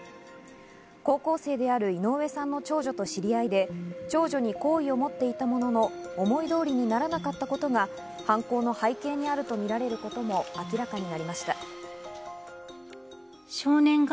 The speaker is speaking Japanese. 高校生である井上さんの長女と知り合いで、長女に好意を持っていたものの思い通りにならなかったことが犯行の背景にあるとみられることも明らかになりました。